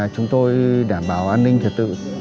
chúng tôi đảm bảo an ninh thật tự